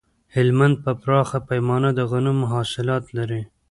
هلمند په پراخه پیمانه د غنمو حاصلات لري